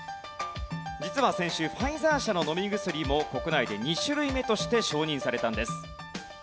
実は先週ファイザー社の飲み薬も国内で２種類目として承認されたんです。